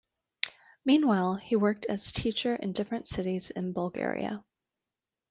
Meanwhile, he worked as teacher in different cities in Bulgaria.